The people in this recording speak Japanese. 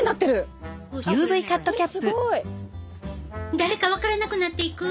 誰か分からなくなっていく！